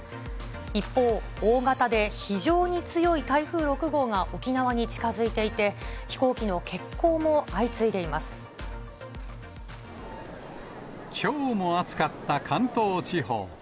一方、大型で非常に強い台風６号が沖縄に近づいていて、きょうも暑かった関東地方。